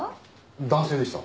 男性でした。